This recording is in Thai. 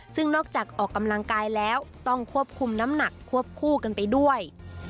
ซึ่งนอกจากออกกำลังกายแล้วต้องควบคุมน้ำหนักควบคู่กันไปด้วย